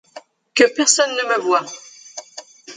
Que personne ne me voie.